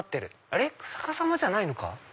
あれ⁉逆さまじゃないのか？